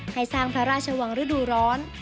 ให้สร้างพระราชวังฤดูร้อน